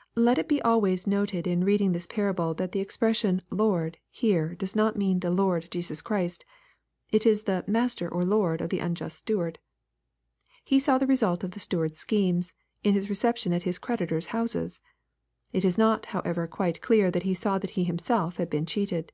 ] Let it be always noted in reading this parable, that the expression " lord" here, does not mean the Lord Jesus Christ. It is the " master or lord" of the unjust steward. He saw the result of the steward's schemes, in his reception at his creditors' houses. It is not, however, quite clear that he saw that he himself had been cheated.